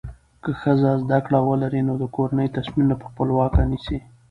که ښځه زده کړه ولري، نو د کورنۍ تصمیمونه په خپلواکه نیسي.